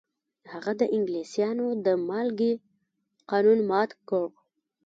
هغه د انګلیسانو د مالګې قانون مات کړ.